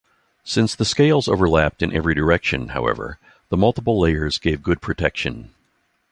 Since the scales overlapped in every direction, however, the multiple layers gave good protection.